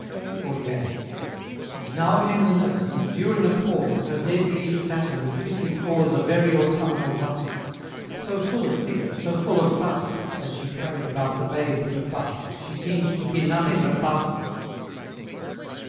XLVIII. And now came the nurse, and during a pause, Her dead leaf satin would fitly cause A very autumnal rustle So full of figure, so full of fuss, As she carried about the babe to buss, She seem'd to be nothing but bustle.